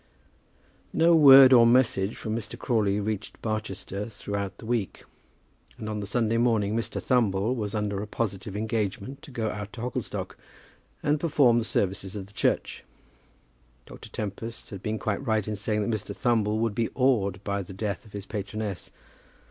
No word or message from Mr. Crawley reached Barchester throughout the week, and on the Sunday morning Mr. Thumble was under a positive engagement to go out to Hogglestock, and perform the services of the church. Dr. Tempest had been quite right in saying that Mr. Thumble would be awed by the death of his patroness.